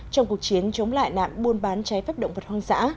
trong cuộc chiến chống lại nạn buôn bán trái phép động vật hoang dã